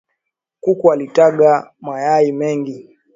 Kuku alitaga mayai mengi